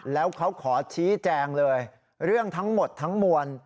แล้วเขาขอชี้แจงเลยเรื่องทั้งหมดทั้งมวล